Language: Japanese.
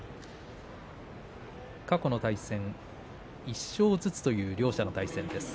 過去の対戦、１勝ずつという両者の対戦です。